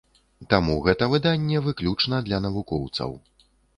Таму гэта выданне выключна для навукоўцаў.